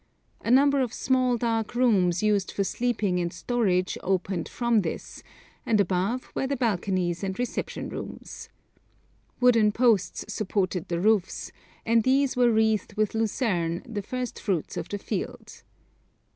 A number of small dark rooms used for sleeping and storage opened from this, and above were the balconies and reception rooms. Wooden posts supported the roofs, and these were wreathed with lucerne, the first fruits of the field.